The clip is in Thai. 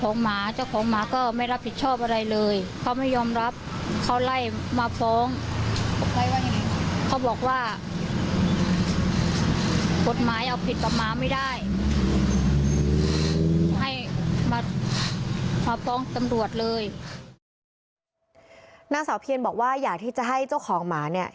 นางสาวเพียนบอกว่าอยากที่จะให้เจ้าของหมาเนี่ย